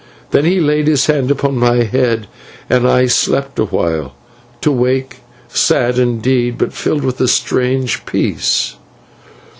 Then he laid his hand upon my head, and I slept awhile, to wake, sad, indeed, but filled with a strange peace.